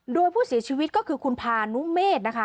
โดยผู้เสียชีวิตก็คือคุณพานุเมฆนะคะ